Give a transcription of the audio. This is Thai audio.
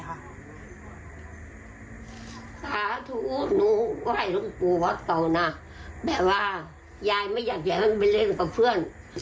สาธุหนูไหว้ลงตัวต่อนะแบบว่ายายไม่อยากให้มันไปเล่นกับเพื่อน